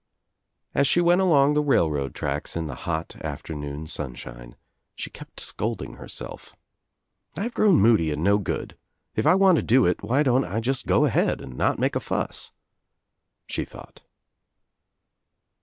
As she went along the railroad tracks in the hot after noon sunshine she kept scolding herself. "I've grown moody and no good. If I want to do it why don't I just go ahead and not make a fuss," she thought.